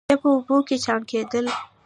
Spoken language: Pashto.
بیا په اوبو کې چاڼ کېدل.